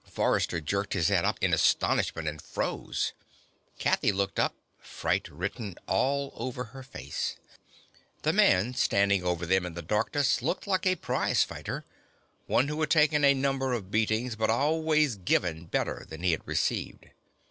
Forrester jerked his head up in astonishment and froze. Kathy looked up, fright written all over her face. The man standing over them in the darkness looked like a prize fighter, one who had taken a number of beatings, but always given better than he had received.